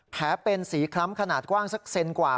เป็นสีคล้ำขนาดกว้างสักเซนกว่า